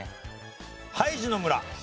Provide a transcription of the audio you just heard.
ハイジの村。